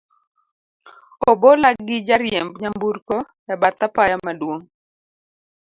obola gi jariemb nyamburko, e bath apaya maduong